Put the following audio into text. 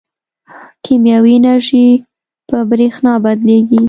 کیمیاوي انرژي په برېښنا بدلېږي.